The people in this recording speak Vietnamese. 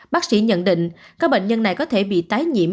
bác sĩ nhận định các bệnh nhân này có thể bị tái nhiễm